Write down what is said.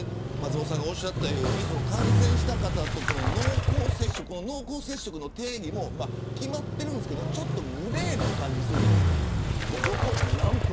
松本さんがおっしゃったように感染した方との濃厚接触の定義も決まってるんですけどちょっとグレーな感じがするじゃないですか。